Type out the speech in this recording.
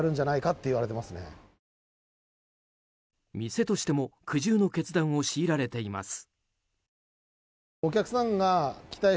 店としても苦渋の決断を強いられています。